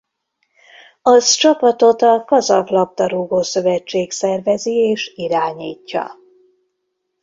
Az csapatot a kazah labdarúgó-szövetség szervezi és irányítja.